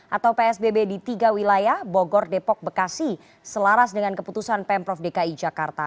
atau psbb di tiga wilayah bogor depok bekasi selaras dengan keputusan pemprov dki jakarta